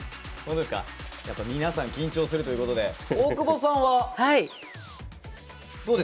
皆さん緊張するということで大久保さんは、どうです？